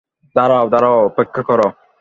দাঁড়াও, দাঁড়াও, অপেক্ষা কর।